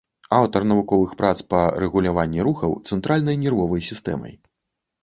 Аўтар навуковых прац па рэгуляванні рухаў цэнтральнай нервовай сістэмай.